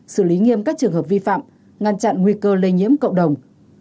xử lý nghiêm các trường hợp vi phạm ngăn chặn nguy cơ lây nhiễm cộng đồng